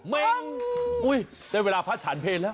เม้งอุ้ยได้เวลาพระฉันเพลแล้ว